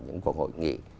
những cuộc hội nghị